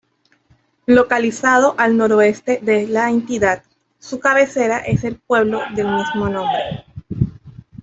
Localizado al noroeste de la entidad, su cabecera es el pueblo del mismo nombre.